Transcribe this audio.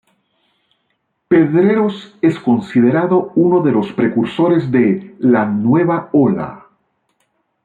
Pedreros es considerado uno de los precursores de "La Nueva Ola".